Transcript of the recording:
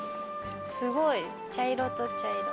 すごい茶色と茶色。